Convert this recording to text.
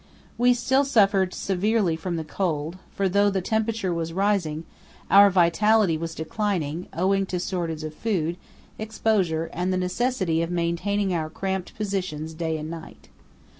We still suffered severely from the cold, for, though the temperature was rising, our vitality was declining owing to shortage of food, exposure, and the necessity of maintaining our cramped positions day and night.